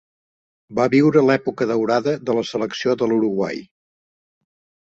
Va viure l'època daurada de la selecció de l'Uruguai.